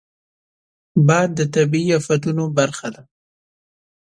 باد د طبیعي افتونو برخه ده